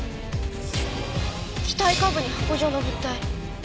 機体下部に箱状の物体。